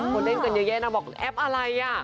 ดูเล่นเงียดบอกแอปอะไร